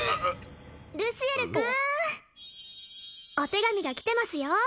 ルシエルくんお手紙が来てますよ